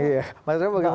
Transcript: iya maksudnya bagaimana